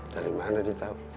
dari mana dia tau